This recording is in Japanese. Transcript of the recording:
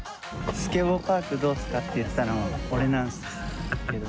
スケボーパークどうっすかって言ったの俺なんです。